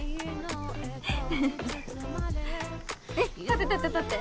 えっ撮って撮って撮って